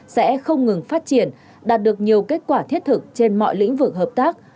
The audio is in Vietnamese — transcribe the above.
sẽ không ngừng phát triển đạt được nhiều kết quả thiết thực trên mọi lĩnh vực hợp tác